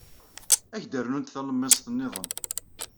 Ad ak-d-rnunt talemmiẓt niḍen.